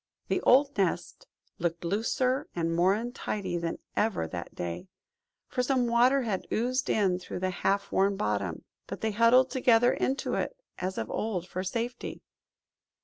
The old nest looked looser and more untidy than ever that day, for some water had oozed in through the half worn bottom. But they huddled together into it, as of old, for safety.